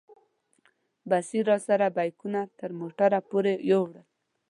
بصیر راسره بیکونه تر موټره پورې یوړل.